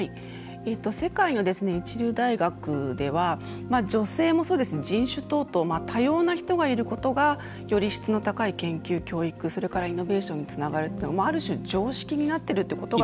世界の一流大学では女性もそうですし人種等々、多様な人がいることがより質の高い研究、教育それからイノベーションにつながるというというのがある種、常識になっているということが。